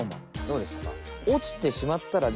どうでしたか？